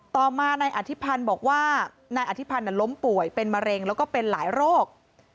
ต่อมานายอธิพันธ์บอกว่านายอธิพันธ์ล้มป่วยเป็นมะเร็งแล้วก็เป็นหลายโรค